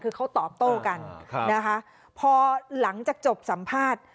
คือเขาตอบโต้กันนะคะพอหลังจากจบสัมภาษณ์